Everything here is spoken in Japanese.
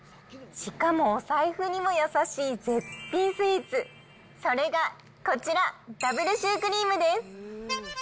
しかもお財布にも優しい絶品スイーツ、それがこちら、ダブルシュークリームです。